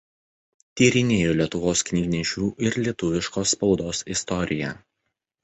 Tyrinėjo Lietuvos knygnešių ir lietuviškos spaudos istoriją.